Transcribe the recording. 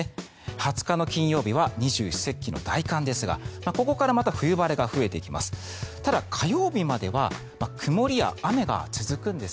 ２０日の金曜日は二十四節気の大寒ですがここからまた冬晴れが増えてきます。